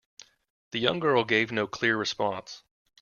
The young girl gave no clear response.